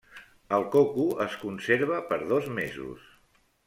El coco es conserva per dos mesos.